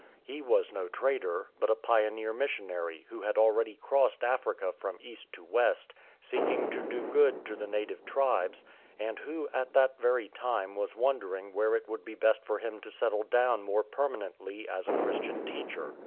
He was no trader, but a pioneer missionary who had already crossed Africa from east to west seeking to do good to the native tribes, and who at that very time was wondering where it would be best for him to settle down more permanently as a Christian teacher.